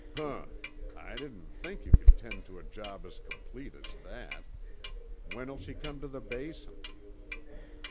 "Humph! I didn't think you could tend to a job as complete as that. When'll she come to the Basin?"